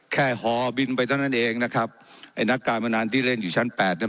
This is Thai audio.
หอบินไปเท่านั้นเองนะครับไอ้นักการพนันที่เล่นอยู่ชั้นแปดเนี่ย